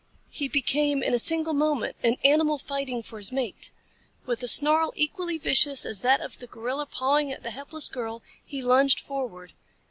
He became in a single moment an animal fighting for his mate. With a snarl equally vicious as that of the gorilla pawing at the helpless girl, he lunged forward.